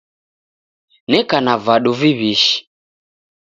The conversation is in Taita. Neka na vadu viw'ishi